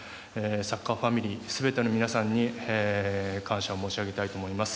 サッカーファミリー全ての皆さんに感謝を申し上げたいと思います。